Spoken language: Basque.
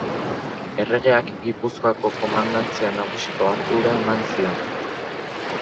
Erregeak Gipuzkoako Komandantzia Nagusiko ardura eman zion.